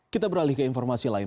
kita beralih ke informasi lain